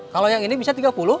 kalau yang ini bisa tiga puluh